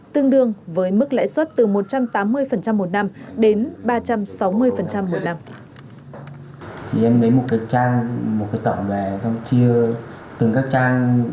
tương đương với mức lãi suất từ một trăm tám mươi một năm đến ba trăm sáu mươi một năm